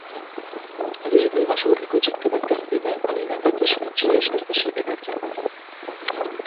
Az égő vasúti kocsik következtében a németek ismét súlyos veszteségeket szenvedtek.